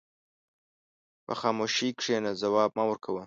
په خاموشۍ کښېنه، ځواب مه ورکوه.